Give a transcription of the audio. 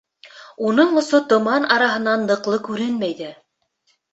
Уның осо томан араһынан ныҡлы күренмәй ҙә.